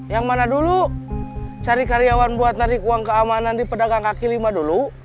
yang mana dulu cari karyawan buat narik uang keamanan di pedagang kaki lima dulu